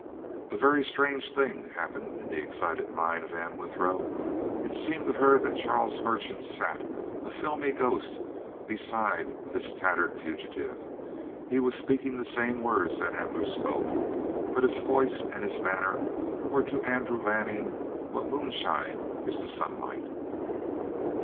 A very strange thing happened in the excited mind of Anne Withero. It seemed to her that Charles Merchant sat, a filmy ghost, beside this tattered fugitive. He was speaking the same words that Andrew spoke, but his voice and his manner were to Andrew Lanning what moonshine is to sunlight.